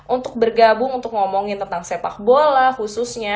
untuk bergabung untuk ngomongin tentang sepak bola khususnya